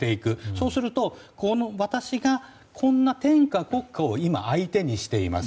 そうすると、私がこんな天下国家を相手にしています。